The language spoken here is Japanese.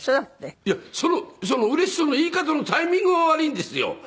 いやそのうれしそうの言い方のタイミングが悪いんですよ。